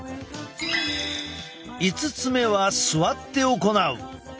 ５つ目は座って行う。